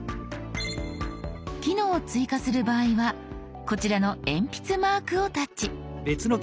機能を追加する場合はこちらの鉛筆マークをタッチ。